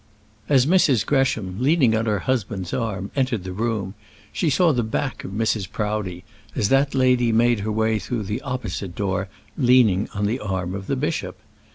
As Mrs. Gresham, leaning on her husband's arm, entered the room, she saw the back of Mrs. Proudie, as that lady made her way through the opposite door, leaning on the arm of the bishop.